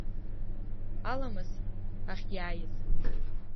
Аламыс ахьиааиз?